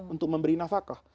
untuk memberi nafakah